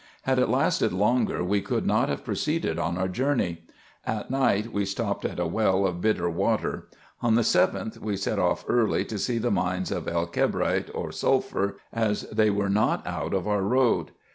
Had it lasted longer we could not have proceeded on our journey. At night we stopped at a well of bitter water. On the 7th, we set off early to see the mines of El Kebrite, or sulphur, as they were not out of our road.